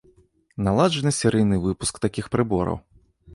Наладжаны серыйны выпуск такіх прыбораў.